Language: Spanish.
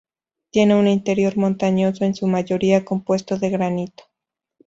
Tiene un interior montañoso, en su mayoría compuesto de granito.